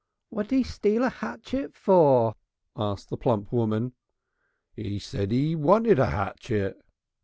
"What'd 'e steal a 'atchet for?" asked the plump woman. "'E said 'e wanted a 'atchet."